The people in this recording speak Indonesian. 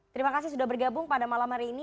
terima kasih sudah bergabung pada malam hari ini